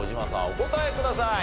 お答えください。